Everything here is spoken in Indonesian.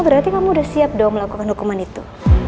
berarti kamu udah siap dong melakukan hukuman itu